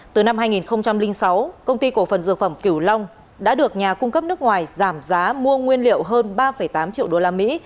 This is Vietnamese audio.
từ năm hai nghìn sáu công ty cổ phần dược phẩm kiểu long đã được nhà cung cấp nước ngoài giảm giá mua nguyên liệu hơn ba tám triệu đô la mỹ